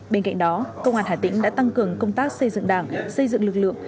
bên cạnh đó công an hà tĩnh đã tăng cường công tác xây dựng đảng xây dựng lực lượng